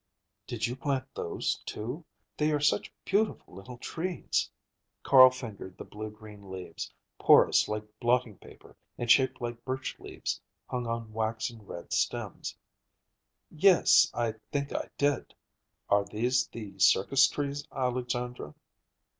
"Did you plant those, too? They are such beautiful little trees." Carl fingered the blue green leaves, porous like blotting paper and shaped like birch leaves, hung on waxen red stems. "Yes, I think I did. Are these the circus trees, Alexandra?"